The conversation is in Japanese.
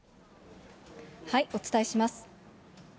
お伝えします。